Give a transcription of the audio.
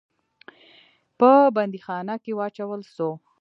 په بندیخانه کې واچول سو.